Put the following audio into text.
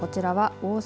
大阪